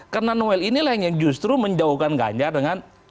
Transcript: karena noel inilah yang justru menjauhkan ganjar dengan pdip